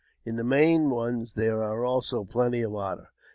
In the main one there are also plenty of otter.